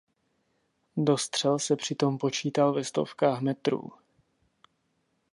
Dostřel se přitom počítal ve stovkách metrů.